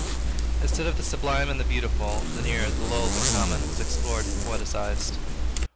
Instead of the sublime and beautiful; the near, the low, the common, was explored and poetized.